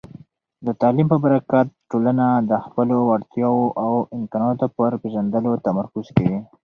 د تعلیم په برکت، ټولنه د خپلو وړتیاوو او امکاناتو پر پېژندلو تمرکز کوي.